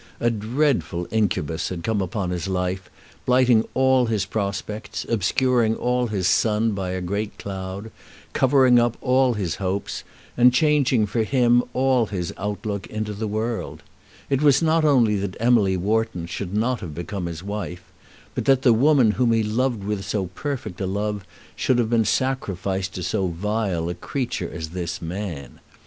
A dreadful incubus had come upon his life, blighting all his prospects, obscuring all his sun by a great cloud, covering up all his hopes, and changing for him all his outlook into the world. It was not only that Emily Wharton should not have become his wife, but that the woman whom he loved with so perfect a love should have been sacrificed to so vile a creature as this man.